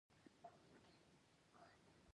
د لویو او کوچنیو پانګوالو ترمنځ سخته سیالي وه